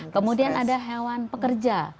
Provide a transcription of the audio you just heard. kemudian ada hewan pekerja